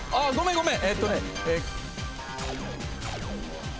ごめん。